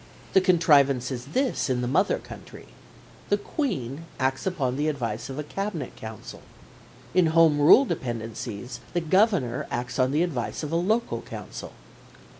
The contrivance is this in the mother country: the Queen acts upon the advice of a cabinet council; in home rule dependencies the Governor acts on the advice of a local council.